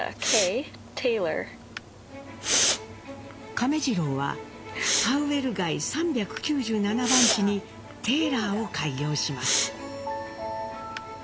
亀治郎はパウエル街３９７番地にテーラーを開業します。